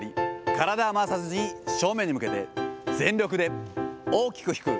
体は回さずに正面に向けて、全力で大きく引く。